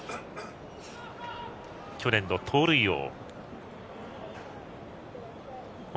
去年の盗塁王。